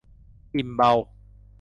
อิ่มเบา